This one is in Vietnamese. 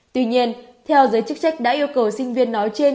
tuy nhiên theo giới chức trách đã yêu cầu sinh viên nói trên